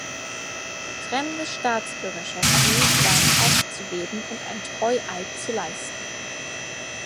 Fremde Staatsbürgerschaften waren aufzugeben und ein Treueid zu leisten.